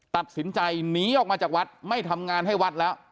ตัดสินใจหนีออกมาจากวัดไม่ทำงานให้วัดแล้ว